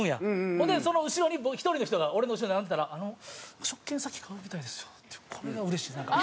ほんでその後ろに１人の人が俺の後ろに並んでたら「食券先買うみたいですよ」ってこれがうれしいなんか。